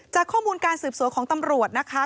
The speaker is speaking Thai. ข้อมูลการสืบสวนของตำรวจนะคะ